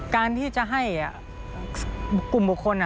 การที่จะให้กลุ่มบุคคล